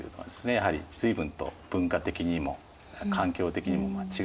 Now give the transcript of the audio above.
やはり随分と文化的にも環境的にも違うわけですね。